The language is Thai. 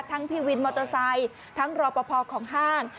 พี่วินมอเตอร์ไซค์ทั้งรอปภของห้าง